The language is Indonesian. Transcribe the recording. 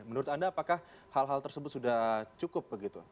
menurut anda apakah hal hal tersebut sudah cukup begitu